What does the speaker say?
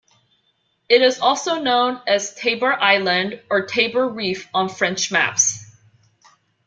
It is also known as Tabor Island or Tabor Reef on French maps.